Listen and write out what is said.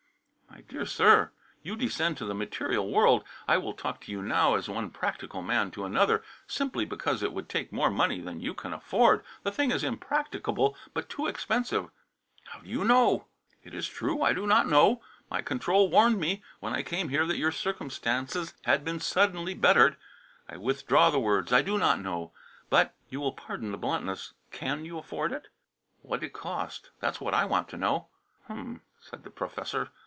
"My dear sir, you descend to the material world. I will talk to you now as one practical man to another. Simply because it would take more money than you can afford. The thing is practicable but too expensive." "How do you know?" "It is true, I do not know. My control warned me when I came here that your circumstances had been suddenly bettered. I withdraw the words. I do not know, but you will pardon the bluntness can you afford it?" "What'd it cost? That's what I want to know." "Hum!" said the professor.